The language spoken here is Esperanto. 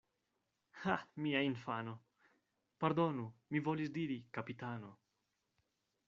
Ha! mia infano ... pardonu, mi volis diri: kapitano.